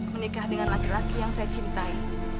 menikah dengan laki laki yang saya cintai